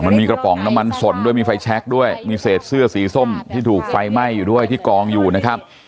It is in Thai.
มันมีกระป๋องน้ำมันสนด้วยมีไฟแช็คด้วยมีเศษเสื้อสีส้มที่ถูกไฟไหม้อยู่ด้วยที่กองอยู่นะครับ